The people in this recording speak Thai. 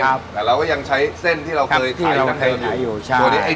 แต่เราก็ยังใช้เส้นที่เราเคยขายกับเค้าอยู่